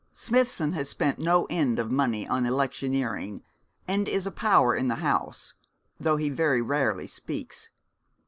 Smithson has spent no end of money on electioneering, and is a power in the House, though he very rarely speaks.